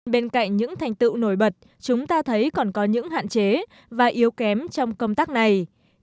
bên cạnh những thành tựu nổi bật chúng ta thấy còn có những hạn chế và yếu kém trong công tác này